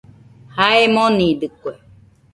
Jae monidɨkue